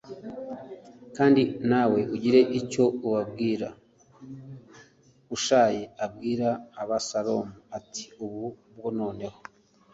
kandi nawe ugire icyo utubwira Hushayi abwira Abusalomu ati ubu bwo noneho